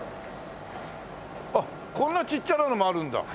あっこんなちっちゃなのもあるんだ。